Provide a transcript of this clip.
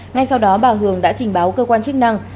ngay sau đó bà hường đã trình báo cơ quan chức năng